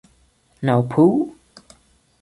No poo?